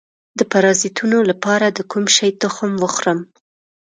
د پرازیتونو لپاره د کوم شي تخم وخورم؟